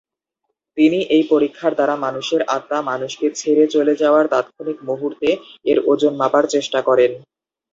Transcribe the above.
তিনি এই পরীক্ষার দ্বারা মানুষের আত্মা মানুষকে ছেড়ে চলে যাওয়ার তাৎক্ষণিক মুহুর্তে এর ওজন মাপার চেষ্টা করেন।